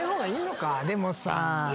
でもさぁ。